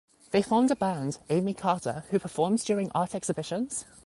They formed a band, Amy Carter, who performed during art exhibitions.